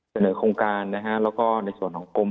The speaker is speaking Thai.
เสนอโครงการนะครับแล้วก็ในส่วนของ